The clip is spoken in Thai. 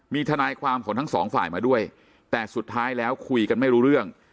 มีทนายความของทั้งสองฝ่ายมาด้วยแต่สุดท้ายแล้วคุยกันไม่รู้เรื่อง